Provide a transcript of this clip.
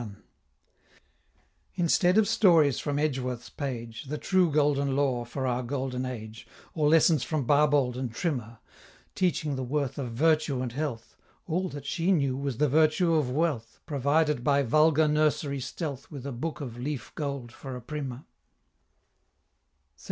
LXXI. Instead of stories from Edgeworth's page, The true golden lore for our golden age, Or lessons from Barbauld and Trimmer, Teaching the worth of Virtue and Health, All that she knew was the Virtue of Wealth, Provided by vulgar nursery stealth With a Book of Leaf Gold for a primer.